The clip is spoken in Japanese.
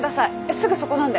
すぐそこなんで。